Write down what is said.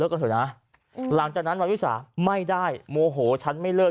กันเถอะนะหลังจากนั้นวันวิสาไม่ได้โมโหฉันไม่เลิก